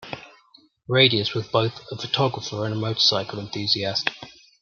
Radius was both a photographer and a motorcycle enthusiast.